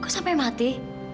kok sampai mati